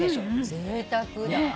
ぜいたくだ。